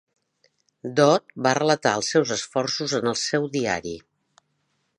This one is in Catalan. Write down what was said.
Dodd va relatar els seus esforços en el seu diari.